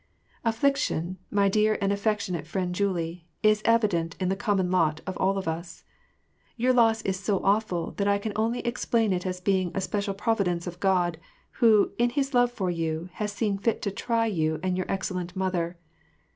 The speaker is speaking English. AfflictioD, my dear and affectionate friend Julie, is evidently the com mon lot of us all. Tour loss is so awful that I can only explain it as being a special prov idence of God; who, in his love for you, has seen fit to try you and your excellent mother.